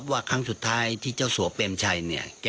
๒๓วันต่อเดือน